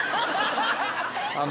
あの。